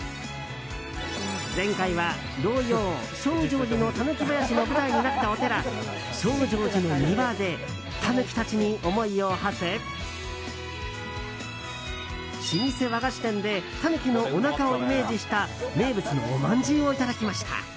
前回は童謡「証城寺の狸ばやし」の舞台になったお寺、證誠寺の庭でタヌキたちに思いをはせ老舗和菓子店でタヌキのおなかをイメージした名物のおまんじゅうをいただきました。